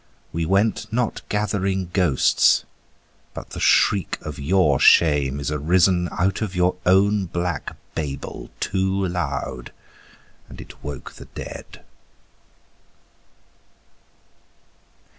We went not gathering ghosts; but the shriek of your shame is arisen Out of your own black Babel too loud; and it woke the dead.